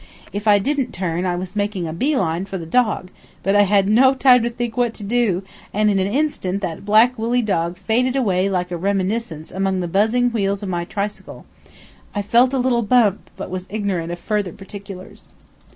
If I didn't turn I was making a bee line for the dog; but I had no time to think what to do, and in an instant that black woolly dog faded away like a reminiscence among the buzzing wheels of my tricycle. I felt a little bump, but was ignorant of further particulars.